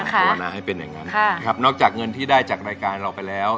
อืมควรนะให้เป็นอย่างนั้นนอกจากเงินที่ได้จากรายการเราไปแล้ว